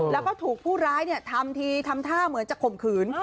แล้วก็ถูกผู้ร้ายทำทีทำท่าเหมือนจะข่มขืน